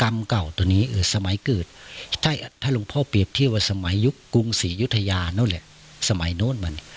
กรรมเก่าตัวนี้นี่อะสมัยเกิดถ้าลุงพ่อเปรียบเที่ยวว่าสมัยกุล์กรุง๔ยุฒยานั่วแหละสมัยโน้นมัน